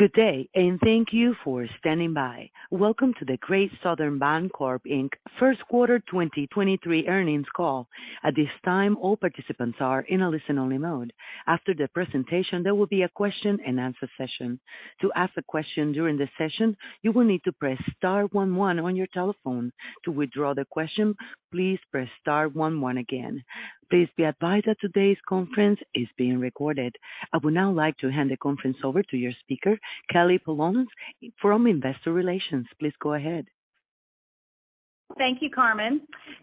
Good day, and thank you for standing by. Welcome to the Great Southern Bancorp Inc. First Quarter 2023 earnings call. At this time, all participants are in a listen-only mode. After the presentation, there will be a question-and-answer session. To ask a question during the session, you will need to press star 11 on your telephone. To withdraw the question, please press star 11 again. Please be advised that today's conference is being recorded. I would now like to hand the conference over to your speaker, Kelly Polonus from investor relations. Please go ahead. Thank you, Carmen.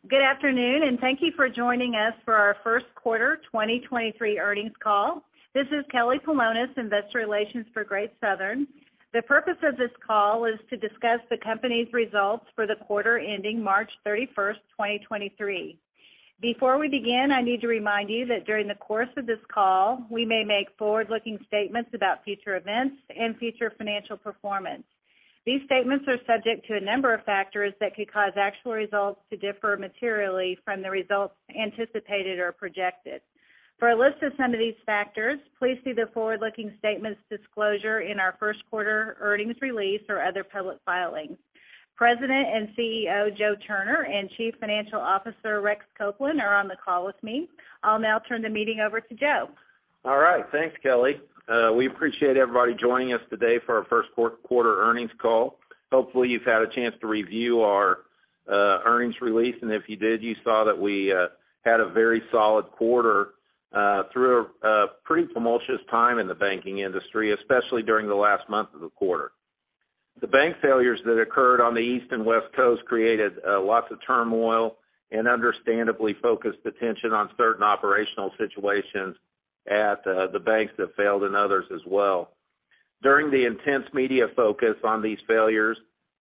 Good afternoon, thank you for joining us for our 1st quarter 2023 earnings call. This is Kelly Polonus, Investor Relations for Great Southern. The purpose of this call is to discuss the company's results for the quarter ending March 31, 2023. Before we begin, I need to remind you that during the course of this call, we may make forward-looking statements about future events and future financial performance. These statements are subject to a number of factors that could cause actual results to differ materially from the results anticipated or projected. For a list of some of these factors, please see the forward-looking statements disclosure in our 1st quarter earnings release or other public filings. President and CEO, Joe Turner, and Chief Financial Officer, Rex Copeland, are on the call with me. I'll now turn the meeting over to Joe. All right. Thanks, Kelly. We appreciate everybody joining us today for our first quarter earnings call. Hopefully, you've had a chance to review our earnings release, and if you did, you saw that we had a very solid quarter through a pretty tumultuous time in the banking industry, especially during the last month of the quarter. The bank failures that occurred on the East and West Coasts created lots of turmoil and understandably focused attention on certain operational situations at the banks that failed and others as well. During the intense media focus on these failures,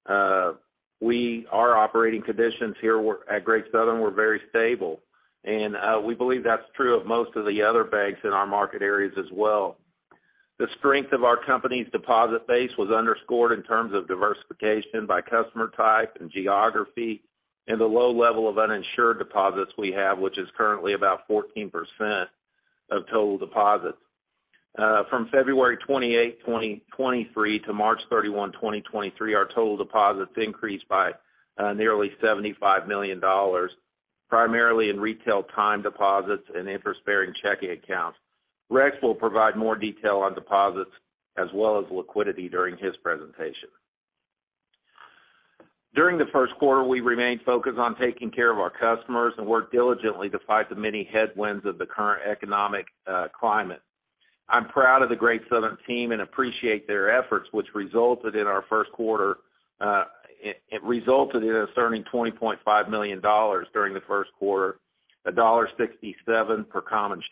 Our operating conditions here at Great Southern were very stable, and we believe that's true of most of the other banks in our market areas as well. The strength of our company's deposit base was underscored in terms of diversification by customer type and geography, and the low level of uninsured deposits we have, which is currently about 14% of total deposits. From February 28, 2023 to March 31, 2023, our total deposits increased by nearly $75 million, primarily in retail time deposits and interest-bearing checking accounts. Rex will provide more detail on deposits as well as liquidity during his presentation. During the first quarter, we remained focused on taking care of our customers and worked diligently to fight the many headwinds of the current economic climate. I'm proud of the Great Southern team and appreciate their efforts, which resulted in our first quarter, it resulted in us earning $20.5 million during the first quarter, $1.67 per common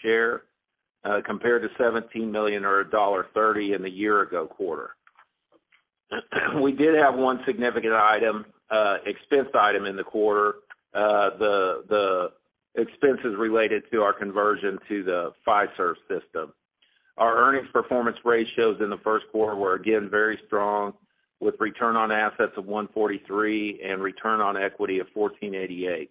share, compared to $17 million or $1.30 in the year ago quarter. We did have 1 significant item, expense item in the quarter. The expense is related to our conversion to the Fiserv system. Our earnings performance ratios in the first quarter were again very strong, with return on assets of 1.43% and return on equity of 14.88%.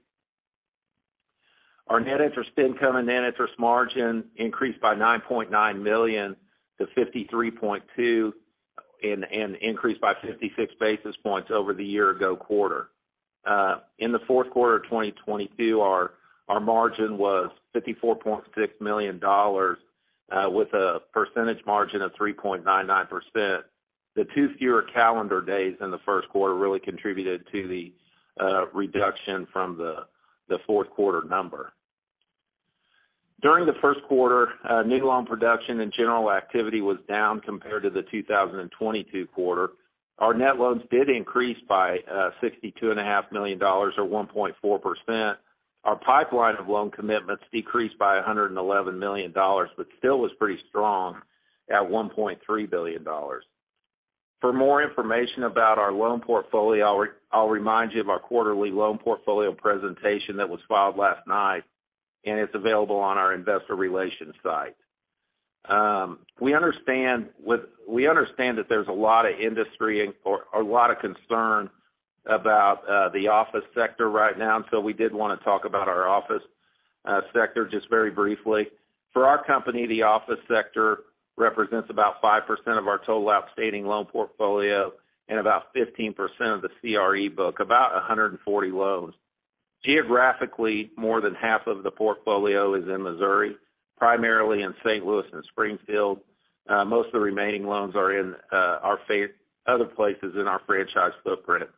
Our net interest income and net interest margin increased by $9.9 million to $53.2 million, and increased by 56 basis points over the year ago quarter. In the fourth quarter of 2022, our margin was $54.6 million, with a percentage margin of 3.99%. The two fewer calendar days in the first quarter really contributed to the reduction from the fourth quarter number. During the first quarter, new loan production and general activity was down compared to the 2022 quarter. Our net loans did increase by $62 and a half million or 1.4%. Our pipeline of loan commitments decreased by $111 million, but still was pretty strong at $1.3 billion. For more information about our loan portfolio, I'll remind you of our quarterly loan portfolio presentation that was filed last night, and it's available on our investor relations site. We understand that there's a lot of concern about the office sector right now, and so we did want to talk about our office sector just very briefly. For our company, the office sector represents about 5% of our total outstanding loan portfolio and about 15% of the CRE book, about 140 loans. Geographically, more than half of the portfolio is in Missouri, primarily in St. Louis and Springfield. Most of the remaining loans are in other places in our franchise footprint.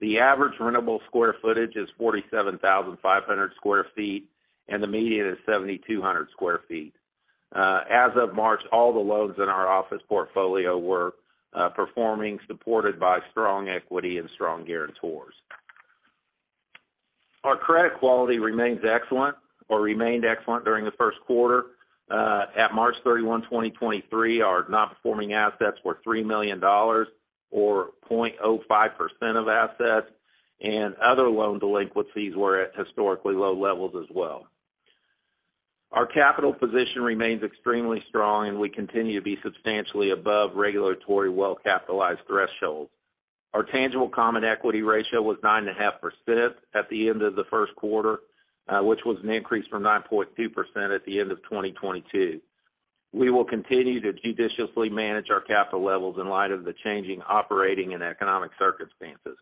The average rentable square footage is 47,500 sq ft, and the median is 7,200 sq ft. As of March, all the loans in our office portfolio were performing, supported by strong equity and strong guarantors. Our credit quality remains excellent or remained excellent during the first quarter. At March 31, 2023, our non-performing assets were $3 million or 0.05% of assets, and other loan delinquencies were at historically low levels as well. Our capital position remains extremely strong, and we continue to be substantially above regulatory well-capitalized thresholds. Our tangible common equity ratio was 9.5% at the end of the first quarter, which was an increase from 9.2% at the end of 2022. We will continue to judiciously manage our capital levels in light of the changing operating and economic circumstances.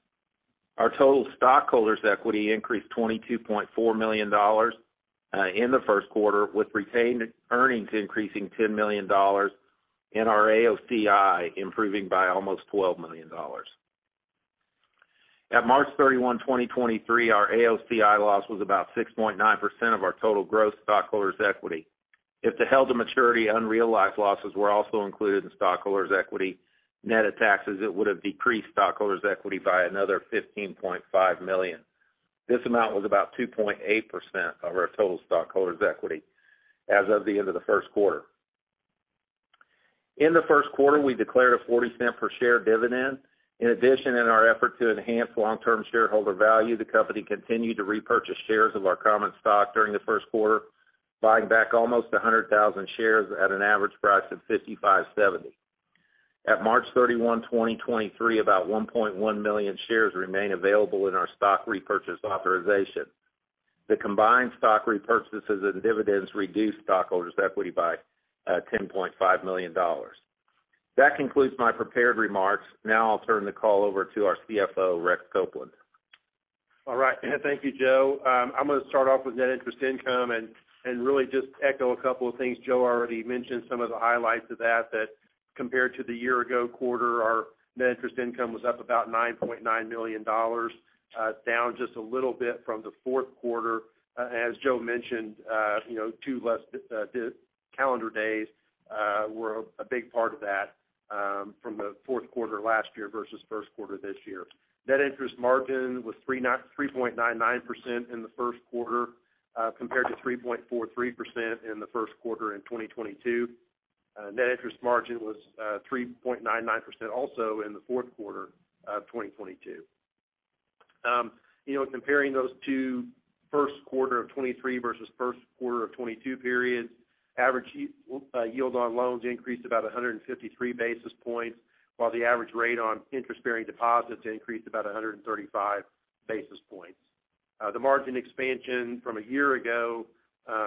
Our total stockholders' equity increased $22.4 million in the first quarter, with retained earnings increasing $10 million and our AOCI improving by almost $12 million. At March 31, 2023, our AOCI loss was about 6.9% of our total gross stockholders' equity. If the held to maturity unrealized losses were also included in stockholders' equity, net of taxes, it would have decreased stockholders' equity by another $15.5 million. This amount was about 2.8% of our total stockholders' equity as of the end of the first quarter. In the first quarter, we declared a $0.40 per share dividend. In addition, in our effort to enhance long-term shareholder value, the company continued to repurchase shares of our common stock during the first quarter, buying back almost 100,000 shares at an average price of $55.70. At March 31, 2023, about 1.1 million shares remain available in our stock repurchase authorization. The combined stock repurchases and dividends reduced stockholders' equity by $10.5 million. That concludes my prepared remarks. I'll turn the call over to our CFO, Rex Copeland. All right. Thank you, Joe. I'm going to start off with net interest income and really just echo a couple of things Joe already mentioned, some of the highlights of that compared to the year ago quarter, our net interest income was up about $9.9 million, down just a little bit from the fourth quarter. As Joe mentioned, you know, 2 less calendar days were a big part of that from the fourth quarter last year versus first quarter this year. Net interest margin was 3.99% in the first quarter, compared to 3.43% in the first quarter in 2022. Net interest margin was 3.99% also in the fourth quarter of 2022. You know, comparing those two first quarter of 2023 versus first quarter of 2022 periods, average yield on loans increased about 153 basis points, while the average rate on interest-bearing deposits increased about 135 basis points. The margin expansion from a year ago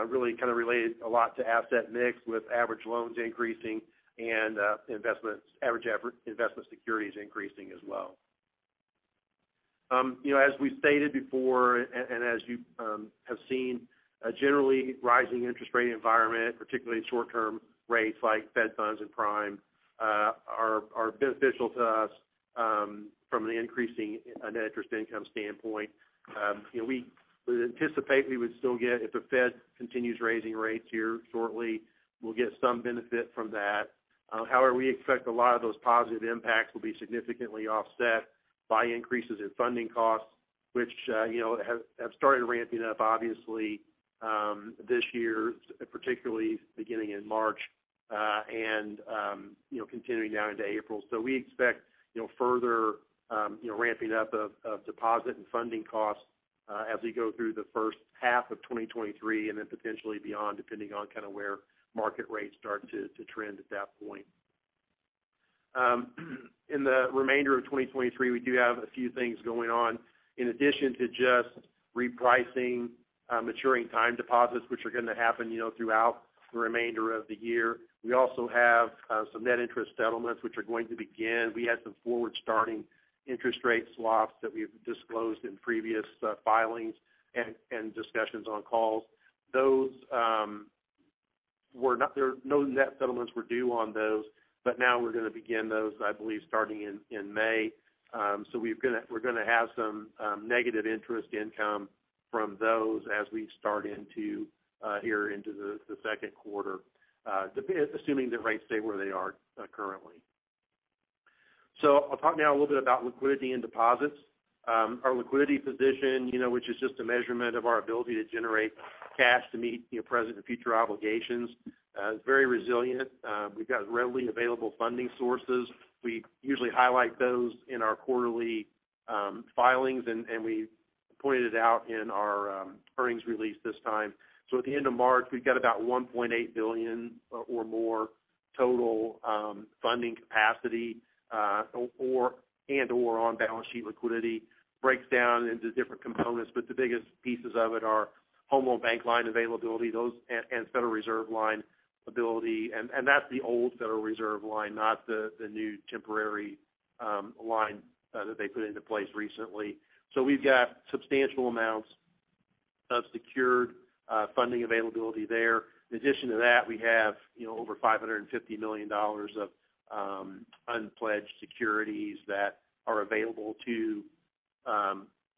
really kind of related a lot to asset mix with average loans increasing and investments, average investment securities increasing as well. You know, as we've stated before, and as you have seen, a generally rising interest rate environment, particularly short-term rates like Fed funds and prime, are beneficial to us from an increasing net interest income standpoint. You know, we would anticipate we would still get, if the Fed continues raising rates here shortly, we'll get some benefit from that. However, we expect a lot of those positive impacts will be significantly offset by increases in funding costs, which, you know, have started ramping up obviously, this year, particularly beginning in March, and, you know, continuing now into April. We expect, you know, further, you know, ramping up of deposit and funding costs, as we go through the first half of 2023 and then potentially beyond depending on kind of where market rates start to trend at that point. In the remainder of 2023, we do have a few things going on. In addition to just repricing, maturing time deposits, which are going to happen, you know, throughout the remainder of the year, we also have some net interest settlements, which are going to begin. We had some forward-starting interest rate swaps that we've disclosed in previous filings and discussions on calls. Those no net settlements were due on those, but now we're going to begin those, I believe, starting in May. We're gonna have some negative interest income from those as we start into here into the second quarter, assuming that rates stay where they are currently. I'll talk now a little bit about liquidity and deposits. Our liquidity position, you know, which is just a measurement of our ability to generate cash to meet, you know, present and future obligations, is very resilient. We've got readily available funding sources. We usually highlight those in our quarterly filings, and we pointed it out in our earnings release this time. At the end of March, we've got about $1.8 billion or more total funding capacity or and or on-balance sheet liquidity. Breaks down into different components, but the biggest pieces of it are Home Loan Bank line availability, those, and Federal Reserve line ability. That's the old Federal Reserve line, not the new temporary line that they put into place recently. We've got substantial amounts of secured funding availability there. In addition to that, we have, you know, over $550 million of unpledged securities that are available to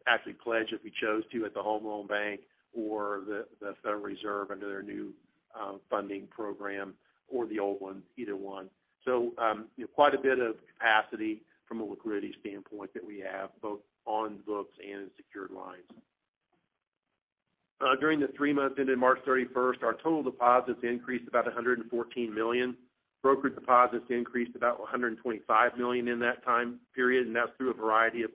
actually pledge if we chose to at the Home Loan Bank or the Federal Reserve under their new funding program or the old one, either one. You know, quite a bit of capacity from a liquidity standpoint that we have both on books and in secured lines. During the 3 months ended March 31st, our total deposits increased about $114 million. Brokered deposits increased about $125 million in that time period, and that's through a variety of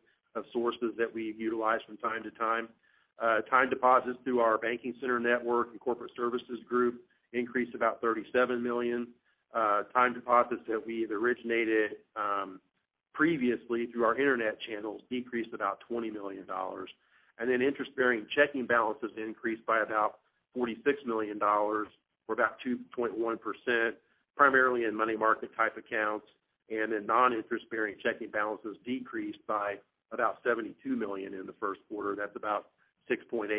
sources that we utilize from time to time. Time deposits through our banking center network and corporate services group increased about $37 million. Time deposits that we had originated previously through our internet channels decreased about $20 million. Interest-bearing checking balances increased by about $46 million, or about 2.1%, primarily in money market type accounts, and then non-interest-bearing checking balances decreased by about $72 million in the first quarter. That's about 6.8%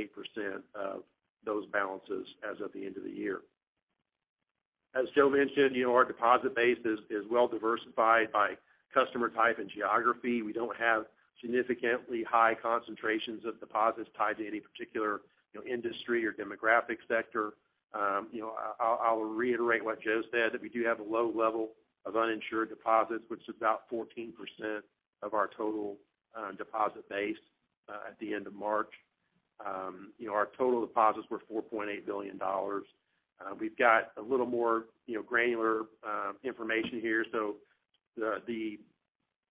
of those balances as of the end of the year. As Joe mentioned, you know, our deposit base is well diversified by customer type and geography. We don't have significantly high concentrations of deposits tied to any particular, you know, industry or demographic sector. You know, I'll reiterate what Joe said, that we do have a low level of uninsured deposits, which is about 14% of our total deposit base at the end of March. You know, our total deposits were $4.8 billion. We've got a little more, you know, granular information here.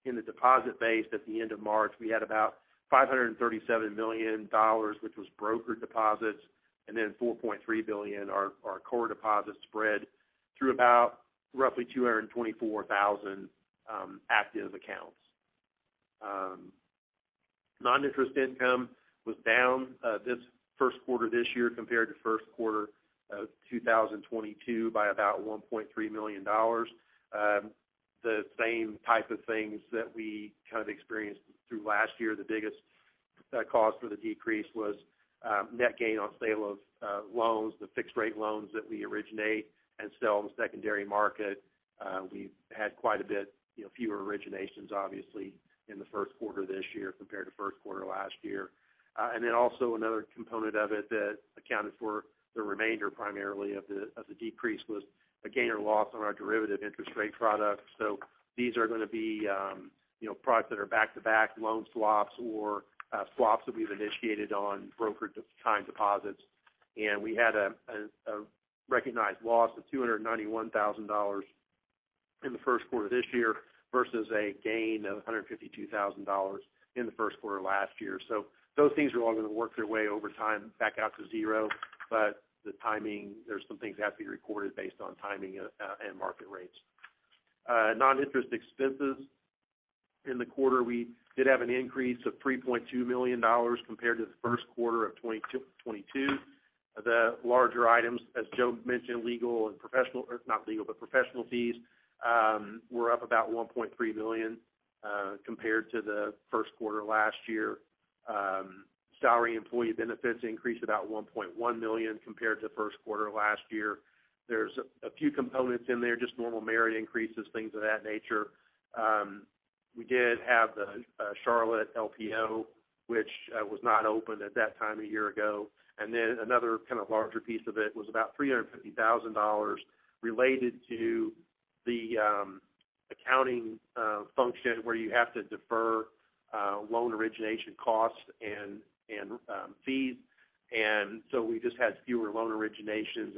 In the deposit base at the end of March, we had about $537 million, which was broker deposits, and then $4.3 billion, our core deposit spread through about roughly 224,000 active accounts. Non-interest income was down this first quarter this year compared to first quarter of 2022 by about $1.3 million. The same type of things that we kind of experienced through last year, the biggest cause for the decrease was net gain on sale of loans, the fixed rate loans that we originate and sell in the secondary market. We've had quite a bit, you know, fewer originations, obviously, in the first quarter this year compared to first quarter last year. Also another component of it that accounted for the remainder primarily of the decrease was a gain or loss on our derivative interest rate products. These are gonna be, you know, products that are back-to-back loan swaps or swaps that we've initiated on brokered time deposits. We had a recognized loss of $291,000 in the first quarter this year versus a gain of $152,000 in the first quarter last year. Those things are all gonna work their way over time back out to zero. The timing, there's some things have to be recorded based on timing and market rates. Non-interest expenses in the quarter, we did have an increase of $3.2 million compared to the first quarter of 2022. The larger items, as Joe mentioned, legal and professional-- or not legal, but professional fees, were up about $1.3 million compared to the first quarter last year. Salary employee benefits increased about $1.1 million compared to first quarter last year. There's a few components in there, just normal merit increases, things of that nature. We did have the Charlotte LPO, which was not open at that time a year ago. Another kind of larger piece of it was about $350,000 related to the accounting function where you have to defer loan origination costs and fees. We just had fewer loan originations.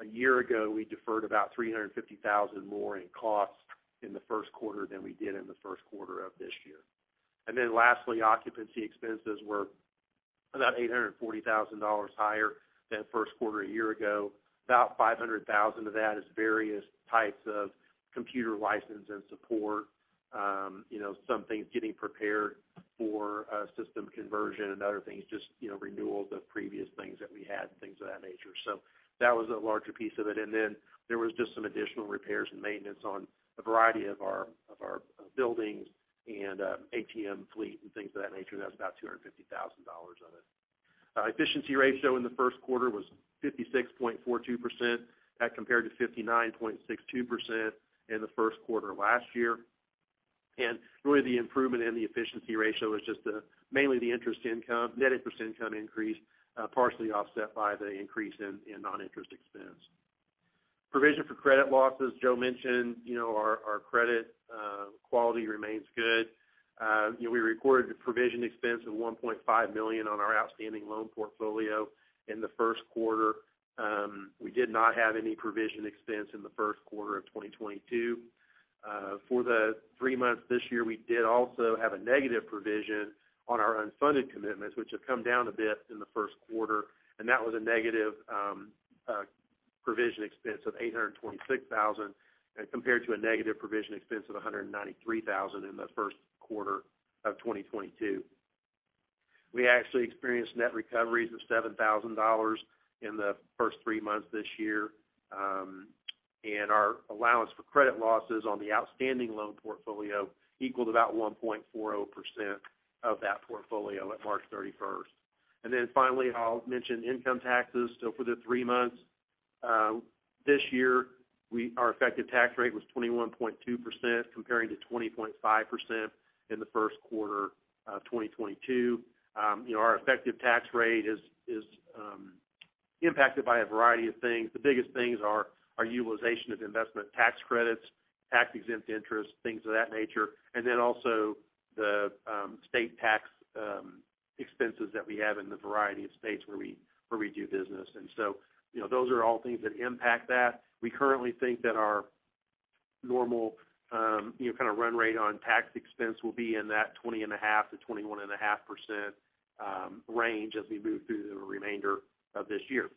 A year ago, we deferred about $350,000 more in costs in the first quarter than we did in the first quarter of this year. Lastly, occupancy expenses were about $840,000 higher than first quarter a year ago. About $500,000 of that is various types of computer license and support, you know, some things getting prepared for a system conversion and other things just, you know, renewals of previous things that we had, things of that nature. That was a larger piece of it. There was just some additional repairs and maintenance on a variety of our, of our buildings and ATM fleet and things of that nature. That's about $250,000 of it. Efficiency ratio in the first quarter was 56.42%. That compared to 59.62% in the first quarter last year. Really the improvement in the efficiency ratio is just mainly the interest income, net interest income increase, partially offset by the increase in non-interest expense. Provision for credit losses, Joe mentioned, you know, our credit quality remains good. You know, we recorded the provision expense of $1.5 million on our outstanding loan portfolio in the first quarter. We did not have any provision expense in the first quarter of 2022. For the 3 months this year, we did also have a negative provision on our unfunded commitments, which have come down a bit in the first quarter, that was a negative provision expense of $826,000 compared to a negative provision expense of $193,000 in the first quarter of 2022. We actually experienced net recoveries of $7,000 in the first 3 months this year. Our allowance for credit losses on the outstanding loan portfolio equaled about 1.40% of that portfolio at March 31st. Finally, I'll mention income taxes. For the 3 months this year, our effective tax rate was 21.2% comparing to 20.5% in the first quarter of 2022. you know, our effective tax rate is impacted by a variety of things. The biggest things are our utilization of investment tax credits, tax-exempt interest, things of that nature, and then also the state tax expenses that we have in the variety of states where we do business. you know, those are all things that impact that. We currently think that our Normal, you know, kind of run rate on tax expense will be in that 20.5%-21.5% range as we move through the remainder of this year.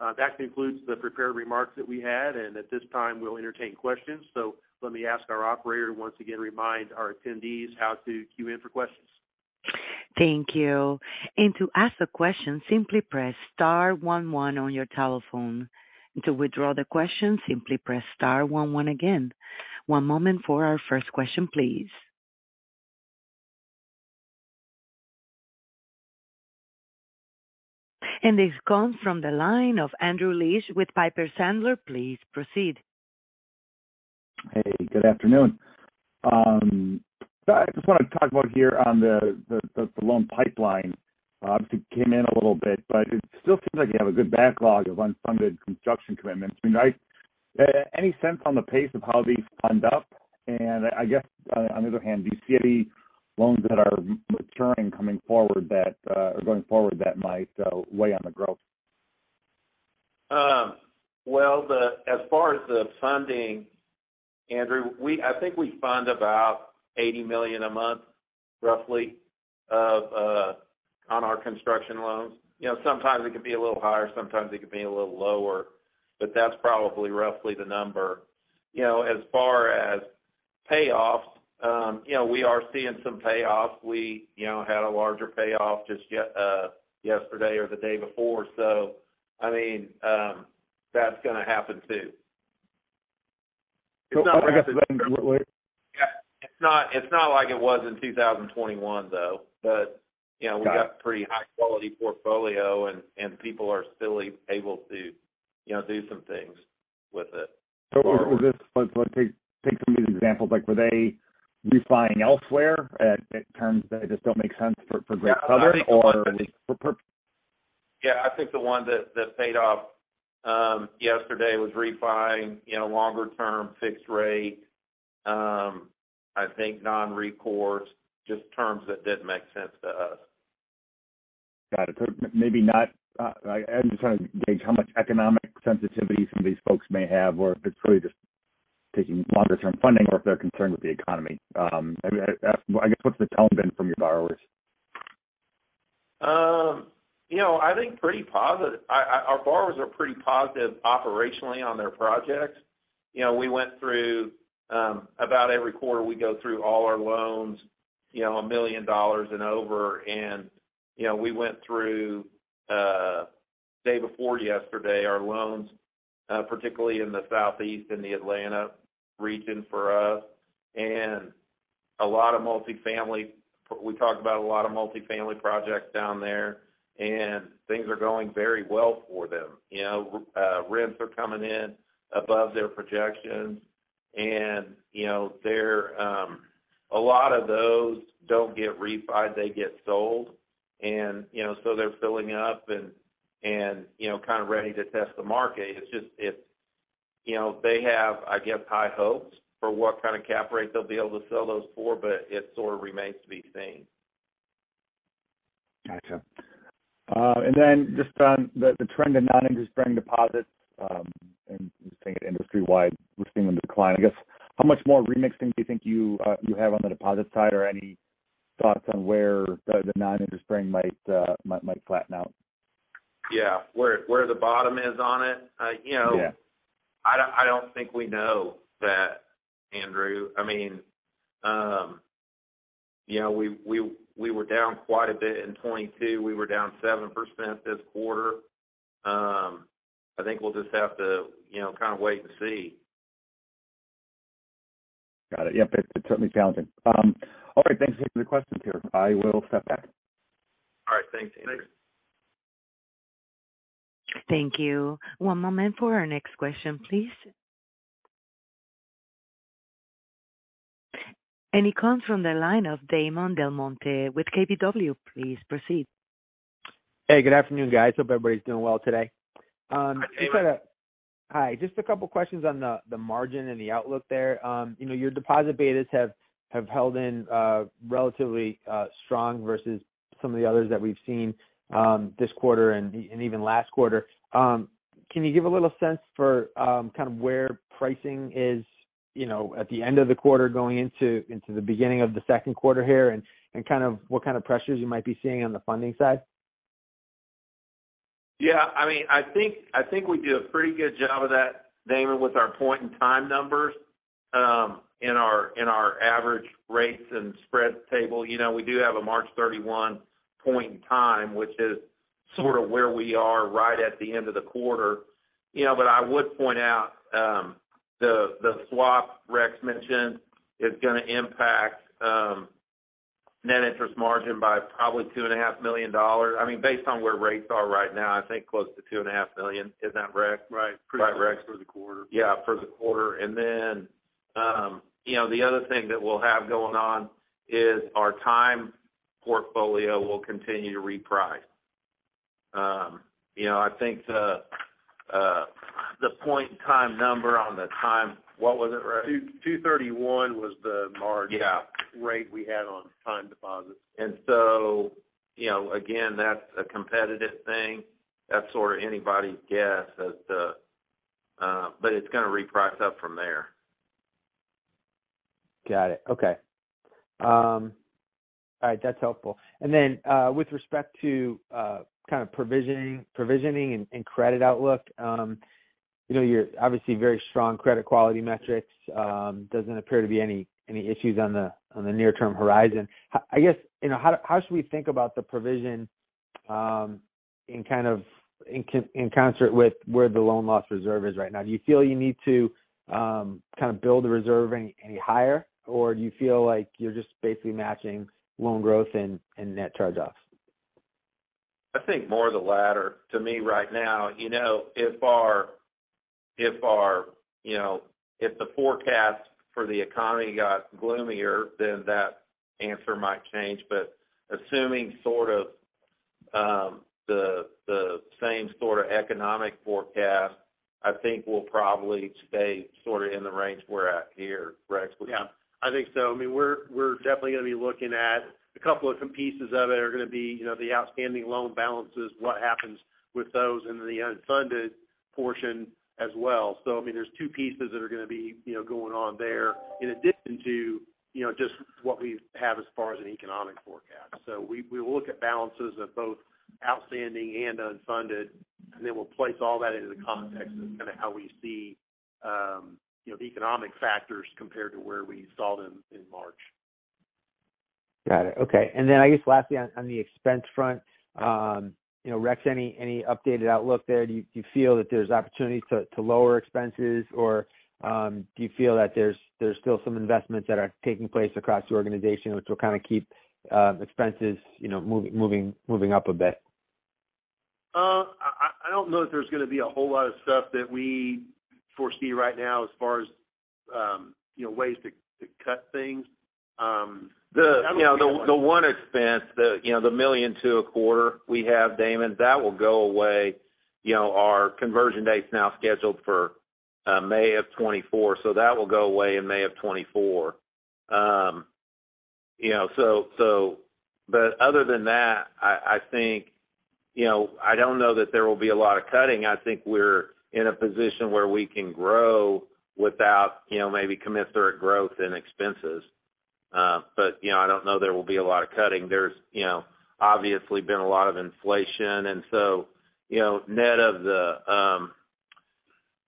That concludes the prepared remarks that we had, and at this time, we'll entertain questions. Let me ask our operator to once again remind our attendees how to queue in for questions. Thank you. To ask a question, simply press star one one on your telephone. To withdraw the question, simply press star one one again. One moment for our first question, please. This comes from the line of Andrew Liesch with Piper Sandler. Please proceed. Hey, good afternoon. I just wanted to talk about here on the loan pipeline. Obviously, it came in a little bit, but it still seems like you have a good backlog of unfunded construction commitments. I mean, any sense on the pace of how these fund up? I guess, on the other hand, do you see any loans that are maturing coming forward that or going forward that might weigh on the growth? Well, the... As far as the funding, Andrew, I think we fund about $80 million a month, roughly, of on our construction loans. You know, sometimes it could be a little higher, sometimes it could be a little lower, but that's probably roughly the number. You know, as far as payoffs, you know, we are seeing some payoffs. We, you know, had a larger payoff just yesterday or the day before. I mean, that's gonna happen too. So It's not like it was in 2021, though. you know... Got it. We got pretty high quality portfolio and people are still able to, you know, do some things with it. Let's take some of these examples. Like, were they refining elsewhere at terms that just don't make sense for Great Southern or? Yeah, I think the one that paid off, yesterday was refining, you know, longer term fixed rate, I think non-recourse, just terms that didn't make sense to us. Got it. Maybe not... I'm just trying to gauge how much economic sensitivity some of these folks may have, or if it's really just taking longer term funding or if they're concerned with the economy. I guess what's the tone been from your borrowers? You know, I think pretty positive. Our borrowers are pretty positive operationally on their projects. You know, we went through, about every quarter, we go through all our loans, you know, $1 million and over. You know, we went through, day before yesterday, our loans, particularly in the southeast and the Atlanta region for us and a lot of multi-family. We talked about a lot of multi-family projects down there, and things are going very well for them. You know, rents are coming in above their projections and, you know, they're, a lot of those don't get refied, they get sold. You know, so they're filling up and, you know, kind of ready to test the market. It's just, it's... You know, they have, I guess, high hopes for what kind of cap rates they'll be able to sell those for, but it sort of remains to be seen. Gotcha. Just on the trend of non-interest-bearing deposits, and just taking it industry-wide, we're seeing them decline. I guess, how much more remixing do you think you have on the deposit side? Any thoughts on where the non-interest-bearing might flatten out? Yeah. Where the bottom is on it? you know- Yeah. I don't think we know that, Andrew. I mean, you know, we were down quite a bit in 2022. We were down 7% this quarter. I think we'll just have to, you know, kind of wait and see. Got it. Yep. It's certainly challenging. All right, thanks for the questions here. I will step back. All right. Thanks, Andrew. Thank you. One moment for our next question, please. It comes from the line of Damon DelMonte with KBW. Please proceed. Hey, good afternoon, guys. Hope everybody's doing well today. Hi, Damon. Hi, just a couple of questions on the margin and the outlook there. You know, your deposit betas have held in relatively strong versus some of the others that we've seen this quarter and even last quarter. Can you give a little sense for kind of where pricing is, you know, at the end of the quarter going into the beginning of the second quarter here, and kind of what kind of pressures you might be seeing on the funding side? Yeah, I mean, I think we did a pretty good job of that, Damon, with our point in time numbers, in our average rates and spreads table. You know, we do have a March 31 point in time, which is sort of where we are right at the end of the quarter. You know, I would point out, the swap Rex mentioned is gonna impact net interest margin by probably two and a half million dollars. I mean, based on where rates are right now, I think close to two and a half million. Isn't that, Rex? Right. Right, Rex. For the quarter. Yeah, for the quarter. Then, you know, the other thing that we'll have going on is our time portfolio will continue to reprice. You know, I think the point in time number on the time, what was it, Rex? 2.31% was the margin- Yeah. rate we had on time deposits. You know, again, that's a competitive thing. That's sort of anybody's guess as to, but it's gonna reprice up from there. Got it. Okay. All right, that's helpful. With respect to kind of provisioning and credit outlook, you know, you're obviously very strong credit quality metrics. Doesn't appear to be any issues on the near-term horizon. I guess, you know, how should we think about the provision in kind of in concert with where the loan loss reserve is right now? Do you feel you need to kind of build the reserve any higher, or do you feel like you're just basically matching loan growth and net charge-offs? I think more of the latter to me right now. You know, if our, you know, if the forecast for the economy got gloomier, then that answer might change. Assuming sort of, the same sort of economic forecast, I think we'll probably stay sort of in the range we're at here. Yeah. I think so. I mean, we're definitely gonna be looking at a couple of pieces of it are gonna be, you know, the outstanding loan balances, what happens with those, and the unfunded portion as well. I mean, there's two pieces that are gonna be, you know, going on there in addition to, you know, just what we have as far as an economic forecast. We will look at balances of both outstanding and unfunded, and then we'll place all that into the context of kind of how we see, you know, the economic factors compared to where we saw them in March. Got it. Okay. I guess lastly on the expense front, you know, Rex, any updated outlook there? Do you feel that there's opportunity to lower expenses, or, do you feel that there's still some investments that are taking place across the organization which will kind of keep expenses, you know, moving up a bit? I don't know that there's gonna be a whole lot of stuff that we foresee right now as far as, you know, ways to cut things. The, you know, the one expense, the, you know, the $1.2 million a quarter we have, Damon, that will go away. You know, our conversion date's now scheduled for May of 2024, so that will go away in May of 2024. You know, other than that, I think, you know, I don't know that there will be a lot of cutting. I think we're in a position where we can grow without, you know, maybe commensurate growth in expenses. You know, I don't know there will be a lot of cutting. There's, you know, obviously been a lot of inflation and so, you know, net of the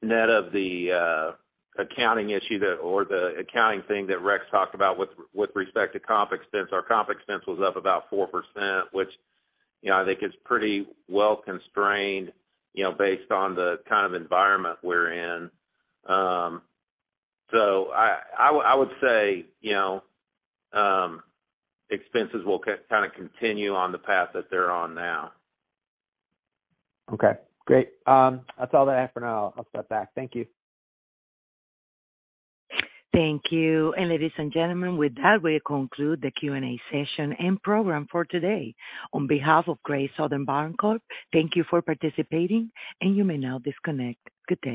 net of the accounting issue that or the accounting thing that Rex talked about with respect to comp expense, our comp expense was up about 4%, which, you know, I think is pretty well constrained, you know, based on the kind of environment we're in. I would say, you know, expenses will kind of continue on the path that they're on now. Okay, great. That's all I have for now. I'll step back. Thank you. Thank you. Ladies and gentlemen, with that, we conclude the Q&A session and program for today. On behalf of Great Southern Bancorp, thank you for participating, and you may now disconnect. Good day.